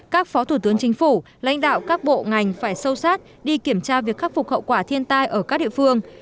các phó thủ tướng chính phủ lãnh đạo các bộ ngành phải sâu sát đi kiểm tra việc khắc phục hậu quả thiên tai ở các địa phương